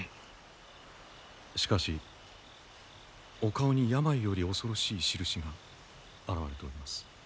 しかしお顔に病より恐ろしいしるしが現れております。